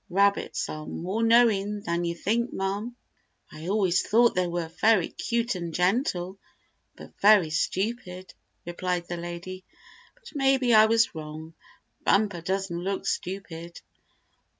Rabbits are more knowing than you think, ma'm." "I always thought they were very cute and gentle, but very stupid," replied the lady. "But maybe I was wrong. Bumper doesn't look stupid."